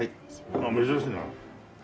ああ珍しいなあ。